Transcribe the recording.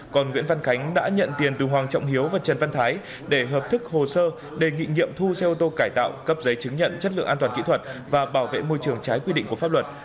còn nguyễn văn khánh đã nhận tiền từ hoàng trọng hiếu và trần văn thái để hợp thức hồ sơ đề nghị nghiệm thu xe ô tô cải tạo cấp giấy chứng nhận chất lượng an toàn kỹ thuật và bảo vệ môi trường trái quy định của pháp luật